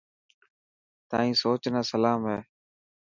تائن سوچ نا سلام هي.